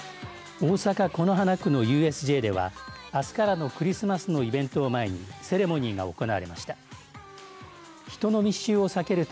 大阪、此花区のＵＳＪではあすからのクリスマスのイベントを前にセレモニーが行われました。